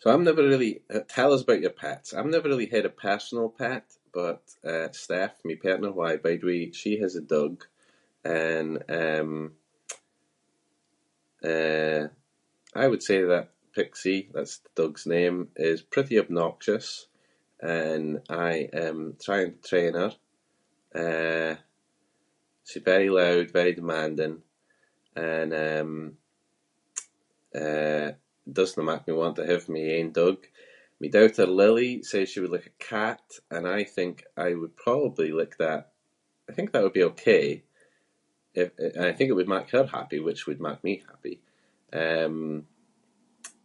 So, I’m never really- tell us aboot your pets. I’m never really had a personal pet but, eh, Steph, my partner who I bide with- she has a dog and, um, eh, I would say that Pixie- that’s the dog’s name- is pretty obnoxious and I am trying to train her. Eh, she’s very loud, very demanding and, um, eh, doesnae mak me want to have my own dog. My daughter Lily says she would like a cat and I think I would probably like that. I think that would be ok- it- I think it would mak her happy which would mak me happy. Um,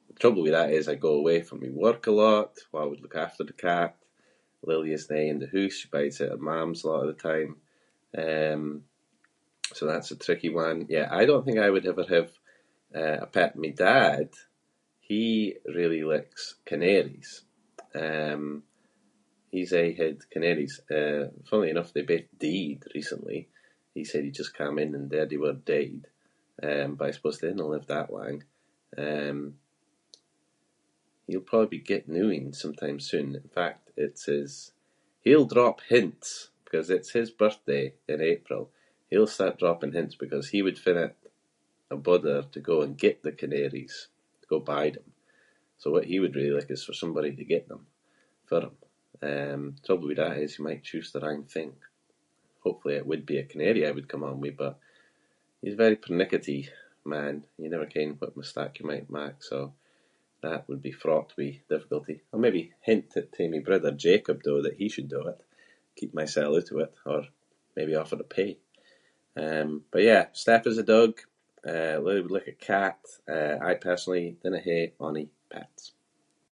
the trouble with that is I go away for my work a lot. Who would look after the cat? Lily isnae in the hoose, she bides at her mam’s a lot of the time, um, so that’s a tricky one. Yeah, I don’t think I would ever have, eh, a pet. My dad, he really likes canaries. Um, he’s aie had canaries. Eh, funnily enough they both died recently. He said he just cam in and there they were deid. Um, but I suppose they dinna live that lang. Um, he’ll probably be getting new ains sometime soon. In fact it's his- he’ll drop hints ‘cause it’s his birthday in April. He’ll start dropping hints because he would find it a bother to go and get the canaries- to go buy them. So, what he would really like is for somebody to get them for him. Um, trouble with that is you might choose the wrong thing. Hopefully it would be a canary I would come home with but he’s a very pernickety man. You never ken what mistake you might mak, so that would be fraught with difficulty. I'll maybe hint it to my brother Jacob, though, that he should do it- keep mysel oot of it or maybe offer to pay. Um, but yeah, Steph has a dog. Eh, Lily would like a cat. Eh, I personally dinna hae ony pets.